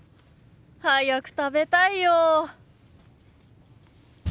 早く食べたいよ。